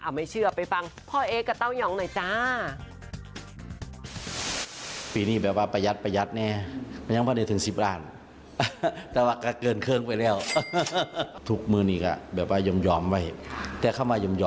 ไม่เชื่อไปฟังพ่อเอ๊กับเต้ายองหน่อยจ้า